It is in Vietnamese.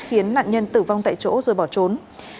khiến nạn nhân tử vong tại chỗ rồi bỏ trốn